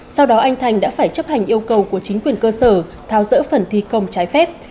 sau đó anh thành đã phải chấp hành yêu cầu của chính quyền cơ sở tháo rỡ phần thi công trái phép